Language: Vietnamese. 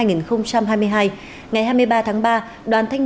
ngày hai mươi ba tháng ba đoàn thanh niên công an tỉnh sài gòn